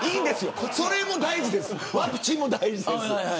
それも大事です。